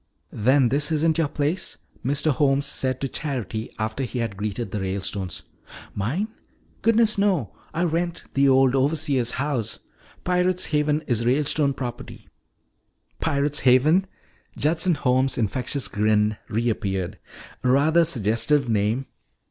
"Then this isn't your place?" Mr. Holmes said to Charity after he had greeted the Ralestones. "Mine? Goodness no! I rent the old overseer's house. Pirate's Haven is Ralestone property." "Pirate's Haven." Judson Holmes' infectious grin reappeared. "A rather suggestive name."